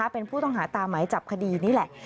เป็นผู้ต้องหาตามหมายจับคดีนี้แหละ